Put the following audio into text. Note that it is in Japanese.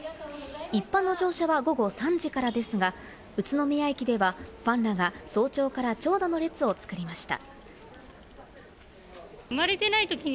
一般の乗車は午後３時からですが、宇都宮駅ではファンらが早朝から長蛇の列を作りました。